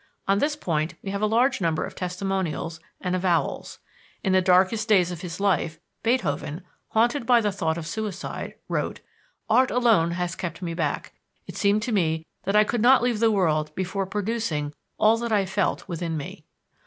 On this point we have a large number of testimonials and avowals. In the darkest days of his life Beethoven, haunted by the thought of suicide, wrote, "Art alone has kept me back. It seemed to me that I could not leave the world before producing all that I felt within me."